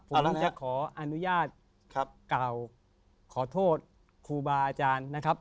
ผมจะขออนุญาตกล่าวขอโทษครูบาอาจารย์นะครับ